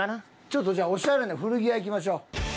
ちょっとじゃあオシャレな古着屋行きましょう。